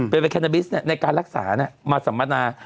เป็นแคนาบิสในการรักษามาสัมมนา